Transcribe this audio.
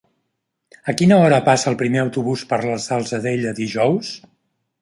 A quina hora passa el primer autobús per la Salzadella dijous?